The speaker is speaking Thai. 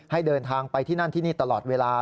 ให้เดินทางไปที่นั่นที่นี่ตลอดเวลา